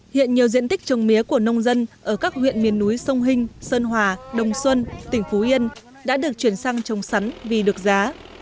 hiện nhiều diện tích trồng mía của nông dân ở các huyện miền núi sông hình sơn hòa đồng xuân tỉnh phú yên đã được chuyển sang trồng sắn vì được giá